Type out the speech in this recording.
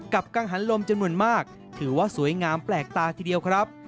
กังหันลมจำนวนมากถือว่าสวยงามแปลกตาทีเดียวครับ